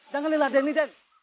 jangan lelah den ini den